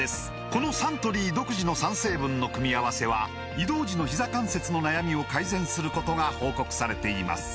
このサントリー独自の３成分の組み合わせは移動時のひざ関節の悩みを改善することが報告されています